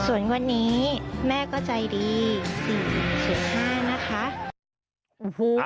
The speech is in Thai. ส่วนวันนี้แม่ก็ใจดีสิ่งเฉียบมากนะคะ